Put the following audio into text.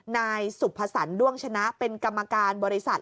นายสุภสรรด้วงชนะเป็นกรรมการบริษัท